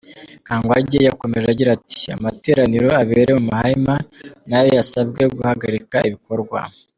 Kangwagye yakomeje agira ati “Amateraniro abera mu mahema nayo yasabwe guhagarika ibikorwa.